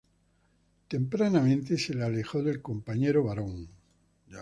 Tempranamente, se le alejó del compañero varón.